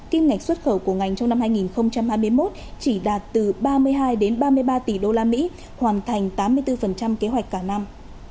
kim ngạch xuất khẩu của ngành trong năm hai nghìn hai mươi một chỉ đạt từ ba mươi hai ba mươi ba tỷ usd hoàn thành tám mươi bốn kế hoạch cả năm